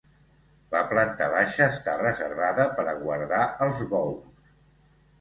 La planta baixa està reservada per a guardar els bous.